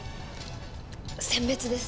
餞別です。